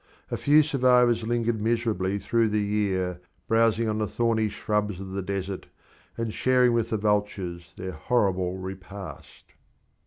A few survivors lingered miserably through the year, browsing on the thorny shrubs of the desert, and sharing with the vultures their horrible repast.